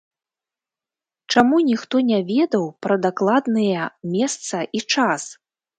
Чаму ніхто не ведаў пра дакладныя месца і час?